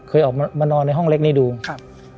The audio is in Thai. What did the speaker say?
เคยออกมานอนในห้องเล็กนี้ดูครับ